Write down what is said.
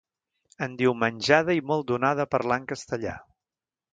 Endiumenjada i molt donada a parlar en castellà.